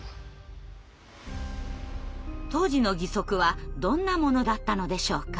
当時の義足はどんなものだったのでしょうか。